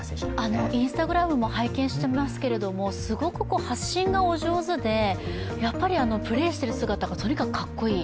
Ｉｎｓｔａｇｒａｍも拝見していますけれども、すごく発信がお上手で、やっぱりプレーしている姿がとにかくかっこいい。